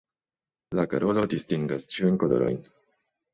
La garolo distingas ĉiujn kolorojn.